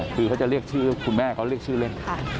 คือเขาจะเรียกชื่อคุณแม่เขาเรียกชื่อเล่น